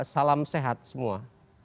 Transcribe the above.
salam sehat semua